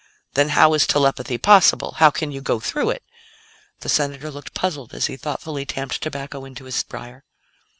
"Then how is telepathy possible? How can you go through it?" The Senator looked puzzled as he thoughtfully tamped tobacco into his briar.